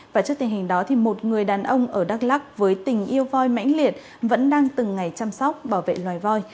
và trước tình hình đó một người đàn ông ở đắk lắc với tình yêu voi mãnh liệt vẫn đang từng ngày chăm sóc bảo vệ loài voi